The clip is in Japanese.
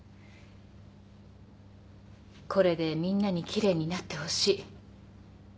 これでみんなに奇麗になってほしい。